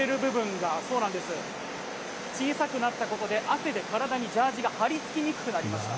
つまり体に触れる部分が小さくなったことで汗で体にジャージが張り付きにくくなりました。